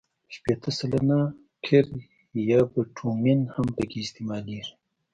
شپېته سلنه قیر یا بټومین هم پکې استعمالیږي